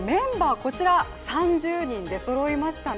こちら３０人出そろいましたね。